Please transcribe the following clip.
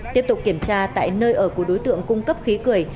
tiếp tục kiểm tra tại nơi ở của đối tượng cung cấp khí cười